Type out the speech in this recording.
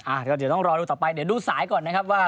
ครับเดี๋ยวต้องรอดูต่อไปเดี๋ยวดูสายก่อนนะครับว่า